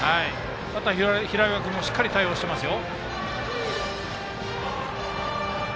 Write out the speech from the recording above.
平岩君もしっかり対応していますよ。